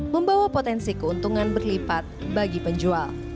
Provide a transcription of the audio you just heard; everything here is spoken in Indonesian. membawa potensi keuntungan berlipat bagi penjual